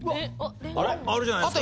あるじゃないですか。